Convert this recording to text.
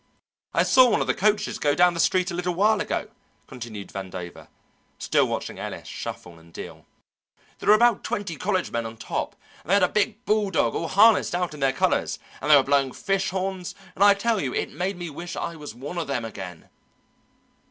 "I saw one of the coaches go down the street a little while ago," continued Vandover, still watching Ellis shuffle and deal. "There were about twenty college men on top, and they had a big bulldog all harnessed out in their colours, and they were blowing fish horns, and I tell you it made me wish I was one of them again."